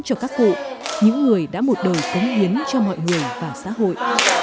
cho các cụ những người đã một đời cống hiến cho mọi người và xã hội